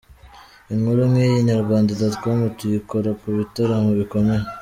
Inkuru nk’iyi, Inyarwanda.com tuyikora ku bitaramo bikomeye.